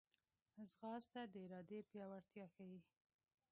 ځغاسته د ارادې پیاوړتیا ښيي